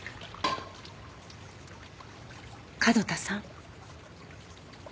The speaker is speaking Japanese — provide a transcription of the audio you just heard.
角田さん。